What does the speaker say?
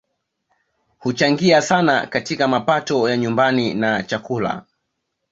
Huchangia sana katika mapato ya nyumbani na chakula